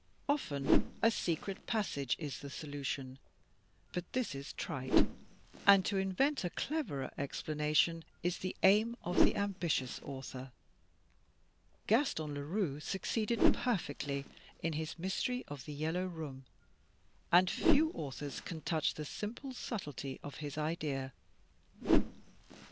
Often a secret passage is the solution, but this is trite; and to invent a cleverer explanation is the aim of the ambitious author. Gaston Leroux succeeded perfectly, in his " Mystery of the Yellow Room," and few authors can touch the simple subtlety of his idea.